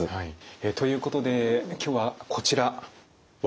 ということで今日はこちら。